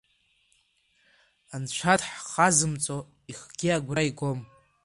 Анцәа дхазымҵо, ихгьы агәра игом.